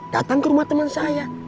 datang ke rumah teman saya